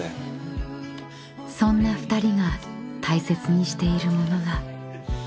［そんな２人が大切にしているものが］